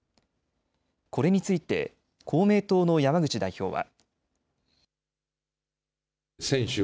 これについて公明党の山口代表は。